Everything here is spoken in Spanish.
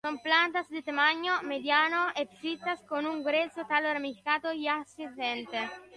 Son plantas de tamaño mediano, epífitas, con un grueso tallo ramificado y ascendente.